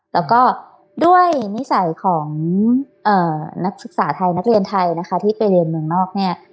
แล้วก็ด้วยนิสัยของนักศึกษาไทยนักเรียนไทยนะคะที่ไปเรียนเมืองนอกเนี่ย